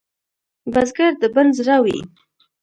بزګر د بڼ زړه وي